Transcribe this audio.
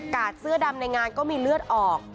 เสื้อดำในงานก็มีเลือดออก